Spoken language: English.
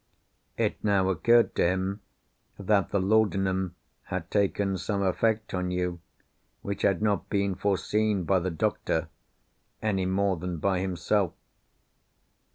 It now occurred to him, that the laudanum had taken some effect on you, which had not been foreseen by the doctor, any more than by himself.